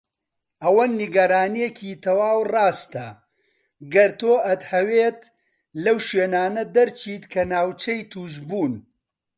ئەوە نیگەرانیەکی تەواو ڕاستەگەر تۆ ئەتهەویت لەو شوێنانە دەرچیت کە ناوچەی توشبوون.